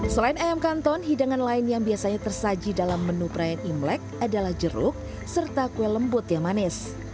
selain ayam kanton hidangan lain yang biasanya tersaji dalam menu perayaan imlek adalah jeruk serta kue lembut yang manis